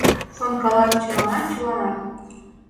Шонкалат чыланат-чыланат.